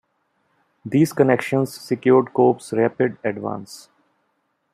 These connections secured Cope's rapid advance.